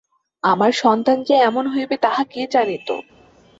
আমার সন্তান যে এমন হইবে তাহা কে জানিত?